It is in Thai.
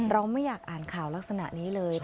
เราไม่อยากอ่านข่าวลักษณะนี้เลย